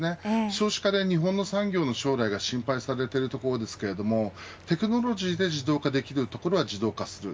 少子化で日本の産業の将来が心配されていますがテクノロジーで自動化できるところは自動化する。